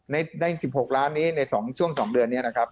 ใน๑๖ล้านนี้ในช่วง๒เดือนนี้นะครับ